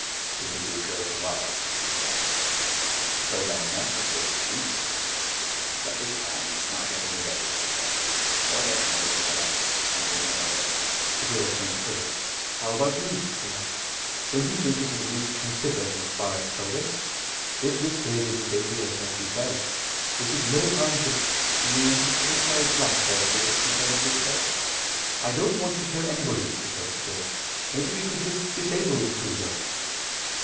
"Slip into a curve for Mars," said Brecken. "Slow down enough to take to chutes an' let this can smack up in the deserts somewhere. They'll never know if we got out, an' we'll be on our own." The girl turned to Phillips. "How about you?" she asked. "Don't you think we should at least consider what Varret told us? If this plague is as dangerous as he says, this is no time to " "Do you have to be so bloodthirsty?" complained Truesdale. "I don't want to kill anybody," declared the girl; "maybe we could just disable the cruiser."